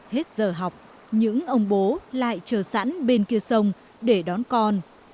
hết giờ học những ông bố lại chờ sẵn bên kia sông để đón con